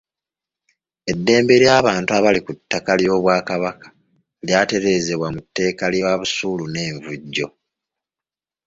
Eddembe ly’abantu abali ku ttaka ly’Obwakabaka lyatereezebwa mu tteeka lya busuulu n’envujjo.